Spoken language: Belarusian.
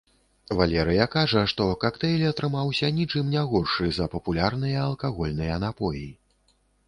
Валерыя кажа, што кактэйль атрымаўся ні чым не горшы за папулярныя алкагольныя напоі.